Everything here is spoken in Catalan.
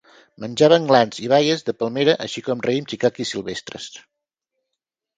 Menjaven glans i baies de palmera així com raïms i caquis silvestres.